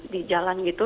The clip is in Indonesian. di jalan gitu